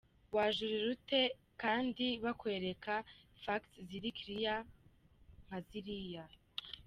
wajurira ute kando bakwereka facts ziri clear nkaziriya.